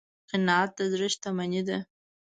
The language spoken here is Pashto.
قناعت د زړه شتمني ده.